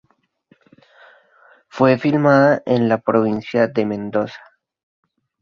Fue filmada en la provincia de Mendoza.